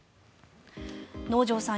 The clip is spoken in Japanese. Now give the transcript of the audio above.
能條さん